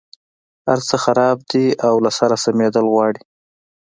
هرڅه خراب دي او له سره سمېدل غواړي.